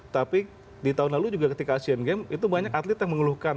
tapi di tahun lalu juga ketika asean games itu banyak atlet yang mengeluhkan